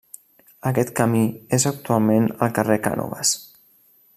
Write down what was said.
Aquest camí és actualment el carrer Cànoves.